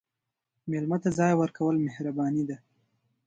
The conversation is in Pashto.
مېلمه ته ځای ورکول مهرباني ده.